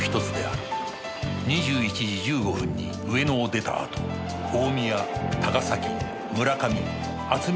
２１時１５分に上野を出たあと大宮高崎村上あつみ温泉